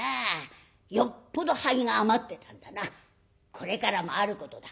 これからもあることだ。